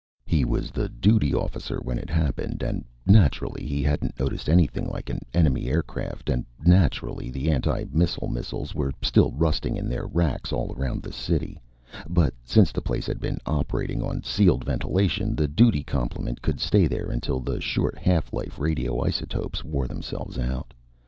He was the duty officer when it happened, and naturally he hadn't noticed anything like an enemy aircraft, and naturally the anti missile missiles were still rusting in their racks all around the city; but since the place had been operating on sealed ventilation, the duty complement could stay there until the short half life radioisotopes wore themselves out.